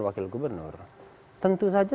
wakil gubernur tentu saja